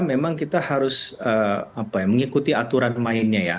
memang kita harus mengikuti aturan mainnya ya